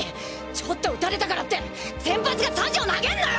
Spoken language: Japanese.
ちょっと打たれたからって先発がサジを投げるなよ！